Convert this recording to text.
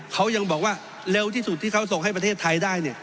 เขายังบอกว่าเร็วที่สุดที่เขาส่งให้ประเทศไทยได้